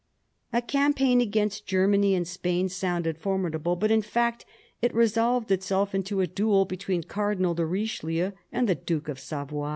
A campaign against Germany and Spain sounded formidable, but in fact it resolved itself into a duel between Cardinal de Richelieu and the Duke of Savoy.